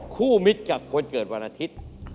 มิตรกับคนเกิดวันอาทิตย์